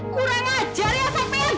kurang ajar ya sopin